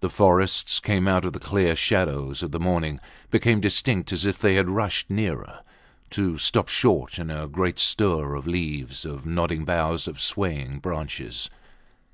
The forests came out of the clear shadows of the morning, became distinct, as if they had rushed nearer to stop short in a great stir of leaves, of nodding boughs, of swaying branches.